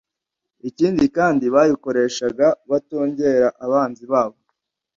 ikindi kandi bayikoreshaga batongera abanzi babo